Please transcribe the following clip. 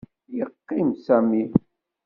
Yeqqim Sami.